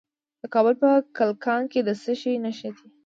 د کابل په کلکان کې د څه شي نښې دي؟